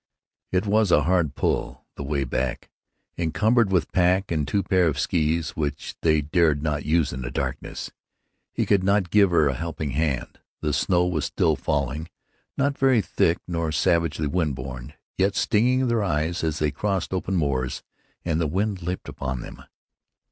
It was a hard pull, the way back. Encumbered with pack and two pairs of skees, which they dared not use in the darkness, he could not give her a helping hand. The snow was still falling, not very thick nor savagely wind borne, yet stinging their eyes as they crossed open moors and the wind leaped at them.